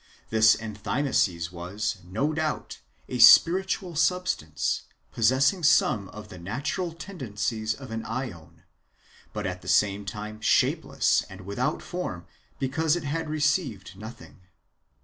This enthymesis was, no doubt, a spiritual substance, possessing some of the natural tendencies of an ^on, but at the same time shapeless and without form, because it had received nothing.'